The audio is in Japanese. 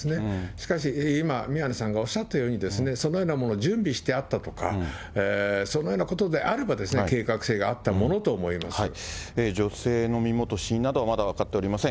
しかし今、宮根さんがおっしゃったように、そのようなもの準備してあったとか、そのようなことであれば、女性の身元、死因などはまだ分かっておりません。